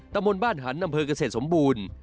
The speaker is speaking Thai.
ตำบลบ้านหันอำเภอกเกษตรสมบูรณ์